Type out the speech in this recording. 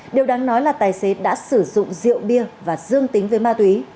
điều đáng nói là tài xế đã sử dụng rượu bia và dương tính với ma túy